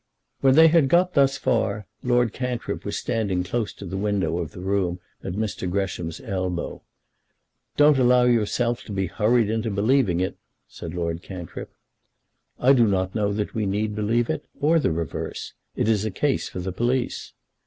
When they had got thus far Lord Cantrip was standing close to the window of the room at Mr. Gresham's elbow. "Don't allow yourself to be hurried into believing it," said Lord Cantrip. "I do not know that we need believe it, or the reverse. It is a case for the police."